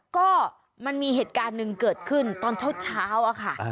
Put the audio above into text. ก็มันมีเหตุการณ์หนึ่งเกิดขึ้นตอนเช้าอะค่ะ